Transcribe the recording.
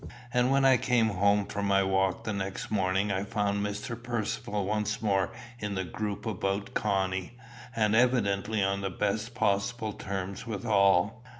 And when I came home from my walk the next morning I found Mr. Percivale once more in the group about Connie, and evidently on the best possible terms with all.